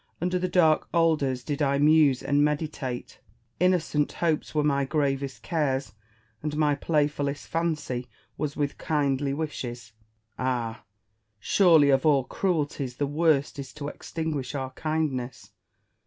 Under the dark alders did I muse and meditate. Innocent hopes were my gravest cares, and my playfullest fancy was with kindly wishes. Ah ! surely of all cruelties the worst is to extinguish our kindness.